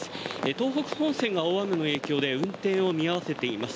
東北本線が大雨の影響で運転を見合わせています。